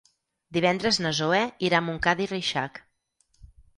Divendres na Zoè irà a Montcada i Reixac.